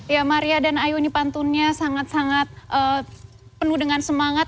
ya maria dan ayu ini pantunnya sangat sangat penuh dengan semangat